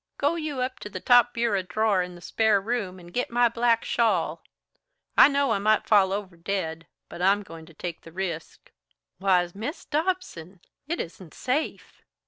Go you up to the top bureau drawer in the spare room and git my black shawl. I know I might fall over dead, but I'm goin' to take the resk." "Why, Mis' Dobson, it isn't safe!"